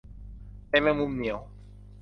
ใยแมงมุม เหนียว